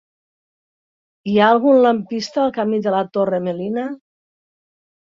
Hi ha algun lampista al camí de la Torre Melina?